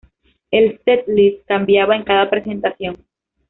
El Setlist cambiaba en cada presentación.